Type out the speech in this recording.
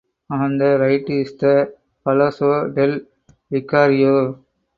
On the right is the Palazzo del Vicario.